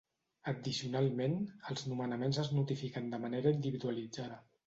Addicionalment, els nomenaments es notifiquen de manera individualitzada.